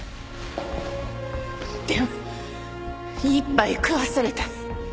でも一杯食わされた。